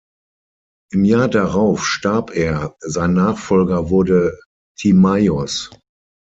Im Jahr darauf starb er; sein Nachfolger wurde Timaios.